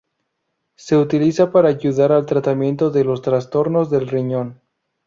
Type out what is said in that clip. Se utiliza para ayudar al tratamiento de los trastornos del riñón.